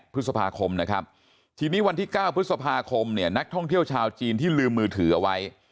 พฤษภาคมนะครับทีนี้วันที่๙พฤษภาคมเนี่ยนักท่องเที่ยวชาวจีนที่ลืมมือถือเอาไว้